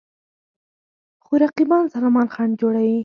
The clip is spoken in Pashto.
خو رقیبان ظالمان خنډ جوړېږي.